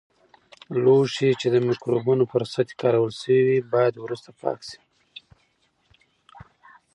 لوښي چې د مکروبونو پر سطحې کارول شوي وي، باید وروسته پاک شي.